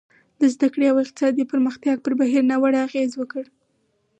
د زده کړې او اقتصادي پراختیا پر بهیر ناوړه اغېز وکړ.